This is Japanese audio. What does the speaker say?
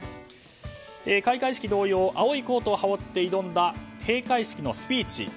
開会式同様青いコートを羽織って挑んだ閉会式のスピーチ。